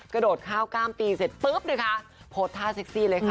กระโดดข้าวกล้ามตีเสร็จปุ๊บนะคะโพสต์ท่าเซ็กซี่เลยค่ะ